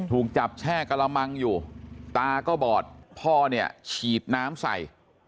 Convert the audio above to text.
ถูกจับแช่กระมังอยู่ตาก็บอดพ่อเนี่ยฉีดน้ำใส่